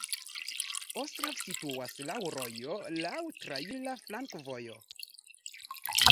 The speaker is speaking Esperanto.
Ostrov situas laŭ rojo, laŭ traira flankovojo.